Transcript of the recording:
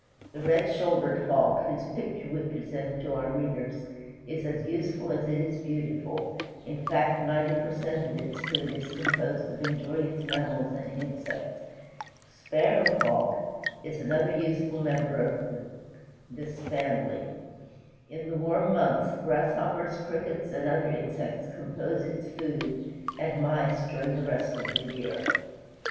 The Red shouldered Hawk, whose picture we present to our readers, is as useful as it is beautiful, in fact ninety per cent of its food is composed of injurious mammals and insects. The Sparrow Hawk (See BIRDS, vol. 3, p. 107) is another useful member of this family. In the warm months Grasshoppers, Crickets, and other insects compose its food, and Mice during the rest of the year.